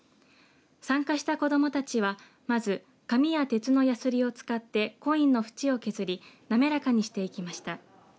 参加した子どもたちはまず紙や鉄のヤスリを使ってコインの縁を削り滑らかにしていきました。